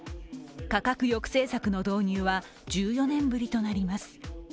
価格抑制策の導入は１４年ぶりとなります。